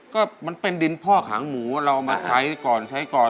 ก็มันเป็นดินพ่อขางหมูเราเอามาใช้ก่อนใช้ก่อน